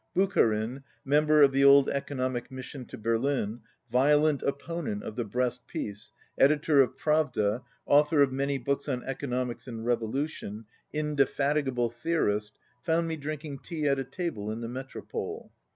Bucharin, member of the old economic mission to Berlin, violent opponent of the Brest peace, editor of Pravda, author of many books on economics and revolution, indefa tigable theorist, found me drinking tea at a table in the Metropole.